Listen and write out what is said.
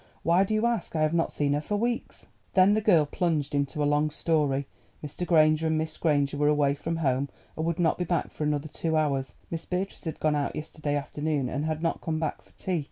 "Why do you ask? I have not seen her for weeks." Then the girl plunged into a long story. Mr. Granger and Miss Granger were away from home, and would not be back for another two hours. Miss Beatrice had gone out yesterday afternoon, and had not come back to tea.